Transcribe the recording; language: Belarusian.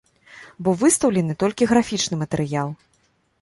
Бо выстаўлены толькі графічны матэрыял.